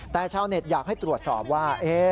แต่ชาวเน็ตอยากให้ตรวจสอบว่า